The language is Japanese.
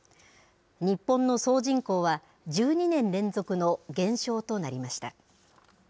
日本の総人口は１２年連続の減少となりました。